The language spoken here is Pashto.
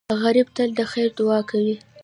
غریب تل د خیر دعا کوي